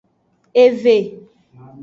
Ewe.